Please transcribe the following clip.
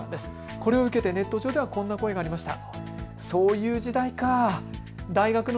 これを受けてネット上ではこんな声がありました。